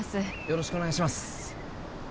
よろしくお願いします